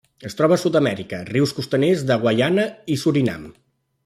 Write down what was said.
Es troba a Sud-amèrica: rius costaners de Guaiana i Surinam.